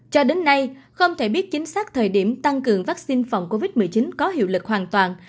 cho đến nay không thể biết chính xác thời điểm tăng cường vaccine phòng covid một mươi chín có hiệu lực hoàn toàn